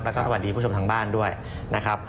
แล้วก็สวัสดีผู้ชมทางบ้านด้วยนะครับ